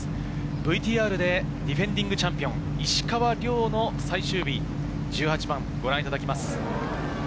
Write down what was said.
ＶＴＲでディフェンディングチャンピオン石川遼の最終日、１８番ご覧いただきます。